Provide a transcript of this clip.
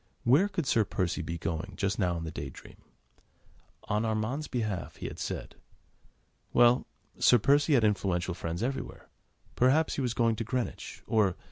Where could Sir Percy be going just now in the Day Dream? On Armand's behalf, he had said. Well! Sir Percy had influential friends everywhere. Perhaps he was going to Greenwich, or ..